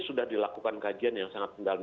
sudah dilakukan kajian yang sangat kendal